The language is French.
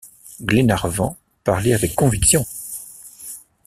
Glenarvan parlait avec conviction.